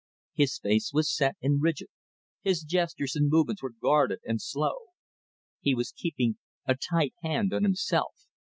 His face was set and rigid, his gestures and movements were guarded and slow. He was keeping a tight hand on himself.